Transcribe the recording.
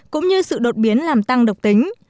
cũng như sự đột biến làm tăng độc tính